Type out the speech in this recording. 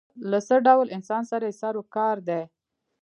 له څه ډول انسان سره یې سر و کار دی.